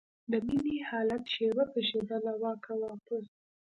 د مينې حالت شېبه په شېبه له واکه وته.